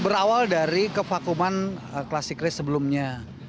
berawal dari kevakuman classic race sebelumnya